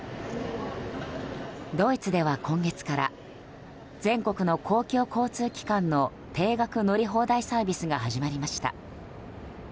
ドイツでは今月から全国の公共交通機関の定額乗り放題サービスが始まりました。